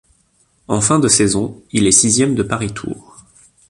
En fin de saison, il est sixième de Paris-Tours.